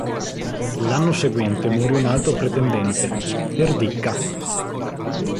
L'anno seguente morì un altro pretendente, Perdicca.